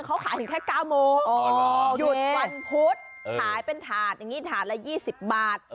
เขาขายถึงแค่๙โมงหยุดวันพุธขายเป็นถาดอย่างนี้ถาดละ๒๐บาท